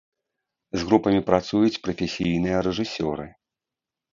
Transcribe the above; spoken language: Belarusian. З групамі працуюць прафесійныя рэжысёры.